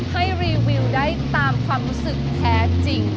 รีวิวได้ตามความรู้สึกแท้จริง